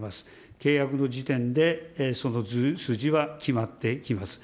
契約の時点でその数字は決まってきます。